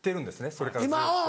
それからずっと。